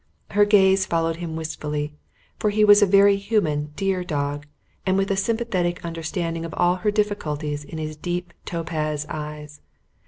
Her gaze followed him wistfully, for he was a very human dear dog, and with a sympathetic understanding of all her difficulties in his deep topaz eyes.